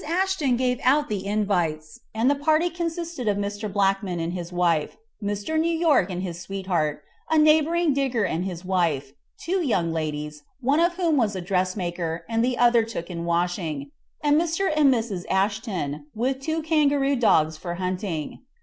Ashton gave out the invites, and the party consisted of Mr. Blackman and wife, Mr. New York and his sweetheart, a neighbouring digger and wife, two young ladies one of whom was a dressmaker, and the other took in washing and Mr. and Mrs. Ashton, with two kangaroo dogs for hunting.